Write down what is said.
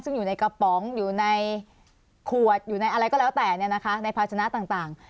ซึ่งอยู่ในกระป๋องอยู่ในขวดอยู่ในอะไรก็แล้วแต่ในภาชนะต่าง